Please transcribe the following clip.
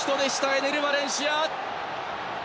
エネル・バレンシア！